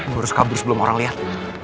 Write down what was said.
gue harus kabur sebelum orang lihat